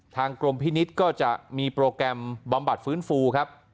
ทางกรมพินิษฐ์ก็จะมีโปรแกรมบำบัดฟื้นฟูครับ